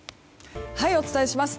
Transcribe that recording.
お伝えします。